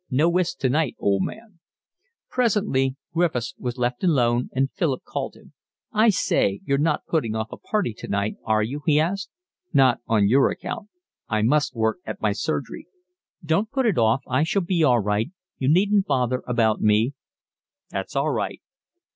No whist tonight, old man." Presently Griffiths was left alone and Philip called him. "I say, you're not putting off a party tonight, are you?" he asked. "Not on your account. I must work at my surgery." "Don't put it off. I shall be all right. You needn't bother about me." "That's all right."